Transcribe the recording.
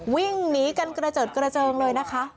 วิ่งหนีกันเกลอเจินเลยนะคะ